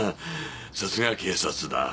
さすが警察だ。